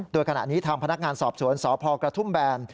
โดยขณะนี้ทางพนักงานสอบสวนสพกระทุ่มแบน